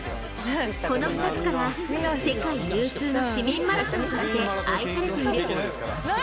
この２つから、世界有数の市民マラソンとして愛されている。